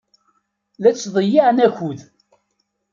La ttḍeyyiɛen akud.